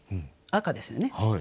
赤ですよね。